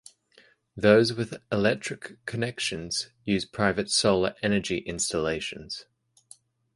Those with electric connections use private solar energy installations.